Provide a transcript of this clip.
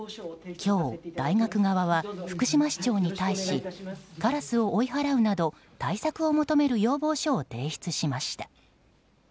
今日、大学側は福島市長に対しカラスを追い払うなど対策を求める要望書を提出しました。